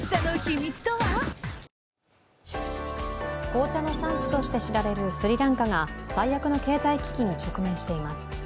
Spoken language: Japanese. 紅茶の産地として知られるスリランカが最悪の経済危機に直面しています。